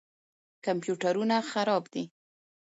کمپیوټرونه خراب دي.